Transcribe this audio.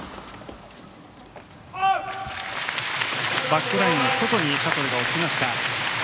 バックラインの外にシャトルが落ちました。